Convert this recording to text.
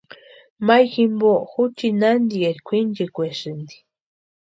Mayu jimpo juchi nantieri kwʼinchikwaesïnti.